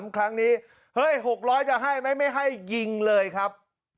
ครั้งนี้เฮ้ย๖๐๐จะให้ไหมไม่ให้ยิงเลยครับ